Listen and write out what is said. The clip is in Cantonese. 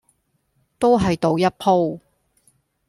都係賭一鋪